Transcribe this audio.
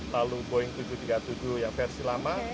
lalu boeing tujuh ratus tiga puluh tujuh yang versi lama